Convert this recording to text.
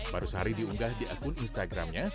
baru sehari diunggah di akun instagramnya